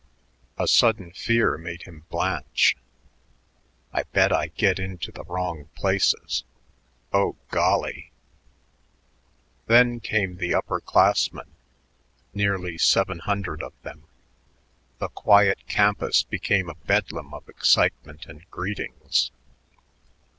A sudden fear made him blanch. "I bet I get into the wrong places. Oh, golly!" Then came the upper classmen, nearly seven hundred of them. The quiet campus became a bedlam of excitement and greetings.